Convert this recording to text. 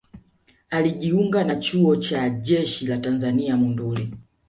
Alijiunga na Chuo cha Chuo cha Jeshi la Tanzania Monduli